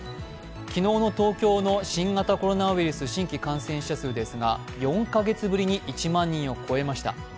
昨日の東京の新型コロナウイルス新規感染者数ですが４カ月ぶりに１万人を超えました。